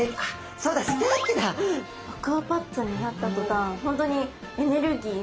そうだアクアパッツァになった途端本当にエネルギーが。